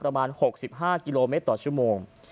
ประมาณ๖๕กิโลเมตรต่อชั่วโมง